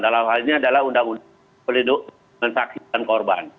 dalam hal ini adalah undang undang pelindungan saksi dan korban